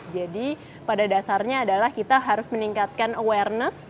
jadi pada dasarnya adalah kita harus meningkatkan awareness